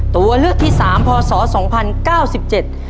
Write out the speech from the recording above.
ตัวเลือกที่สามพศสองพันเก้าสิบเจ็ด